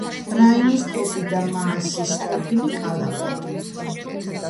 რაინის ტოტი და მაასის ყოფილი კალაპოტი.